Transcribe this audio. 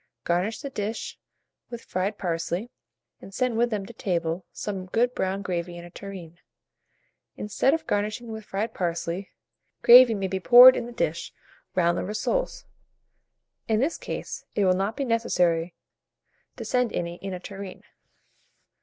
Garnish the dish with fried parsley, and send with them to table some good brown gravy in a tureen. Instead of garnishing with fried parsley, gravy may be poured in the dish, round the rissoles: in this case, it will not be necessary to send any in a tureen.